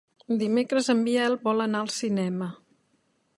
Dimecres en Biel vol anar al cinema.